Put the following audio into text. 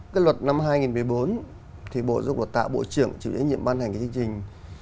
cái luật năm hai nghìn một mươi bốn thì bộ giáo dục và tạo bộ trưởng chịu lễ nhiệm ban hành cái chương trình